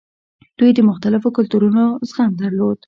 دوی د مختلفو کلتورونو زغم درلود